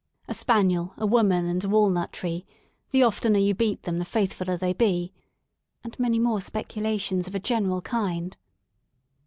.•. A spaniel, a woman, and a walnut tree, the ofter you beat 'em the faithful ler they be ■*— and many more speculations of a general kind.